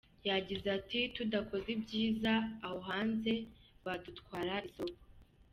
Yagize ati “Tudakoze ibyiza abo hanze badutwara isoko.